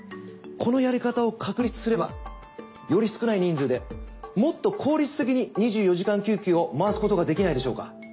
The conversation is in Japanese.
このやり方を確立すればより少ない人数でもっと効率的に２４時間救急を回すことができないでしょうか？